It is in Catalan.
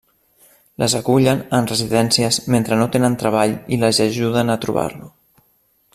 Les acullen en residències mentre no tenen treball i les ajuden a trobar-lo.